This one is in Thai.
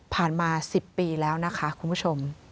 มา๑๐ปีแล้วนะคะคุณผู้ชม